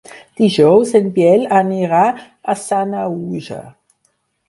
Dijous en Biel anirà a Sanaüja.